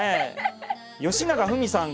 よしながふみさん